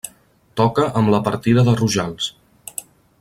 Toca amb la Partida de Rojals.